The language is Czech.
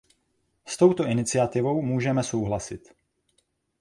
S touto iniciativou můžeme souhlasit.